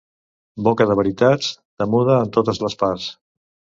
Boca de veritats, temuda en totes les parts.